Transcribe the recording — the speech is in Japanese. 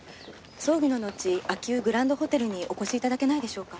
葬儀ののち秋保グランドホテルにお越し頂けないでしょうか？